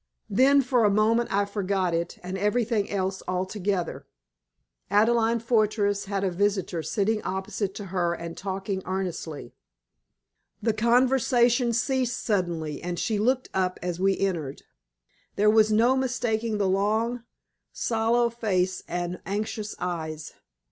Then for a moment I forgot it, and everything else altogether. Adelaide Fortress had a visitor sitting opposite to her and talking earnestly. The conversation ceased suddenly, and she looked up as we entered. There was no mistaking the long, sallow face and anxious eyes.